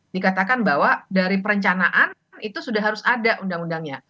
dikatakan bahwa dari perencanaan itu sudah harus ada undang undangnya